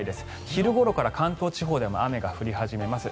昼ごろから関東地方でも雨が降り始めます。